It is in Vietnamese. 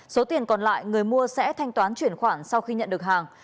số tiền còn lại người mua sẽ thanh toán chuyển khoản sau khi nhận được hàng